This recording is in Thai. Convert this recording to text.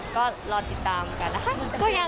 ก็รอติดตามกันนะคะ